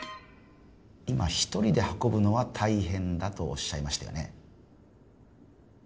今一人で運ぶのは大変だとおっしゃいましたよね？